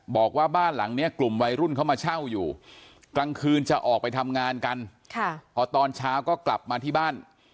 บอกว่าบ้านหลังนี้กลุ่มวัยรุ่นเขามาเช่าอยู่กลางคืนจะออกไปทำงานกันพอตอนเช้าก็กลับมาที่บ้าน